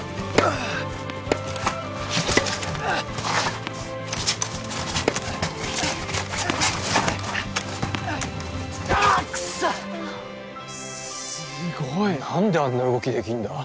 ああっクソッすごい何であんな動きできんだ？